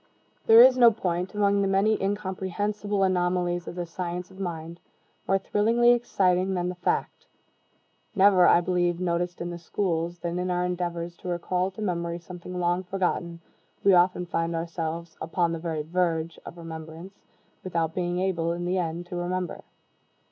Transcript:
There is no point, among the many incomprehensible anomalies of the science of mind, more thrillingly exciting than the fact never, I believe, noticed in the schools than in our endeavors to recall to memory something long forgotten, we often find ourselves upon the very verge of remembrance, without being able, in the end, to remember.